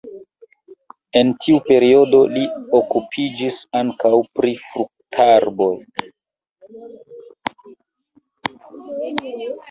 En tiu periodo li okupiĝis ankaŭ pri fruktarboj.